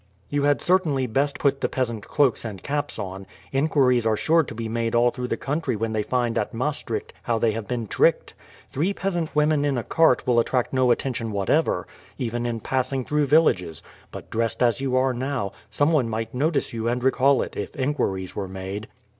"You had certainly best put the peasant cloaks and caps on. Inquiries are sure to be made all through the country when they find at Maastricht how they have been tricked. Three peasant women in a cart will attract no attention whatever, even in passing through villages; but, dressed as you are now, some one might notice you and recall it if inquiries were made."